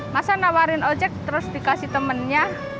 masa nawarin ojek terus dikasih temennya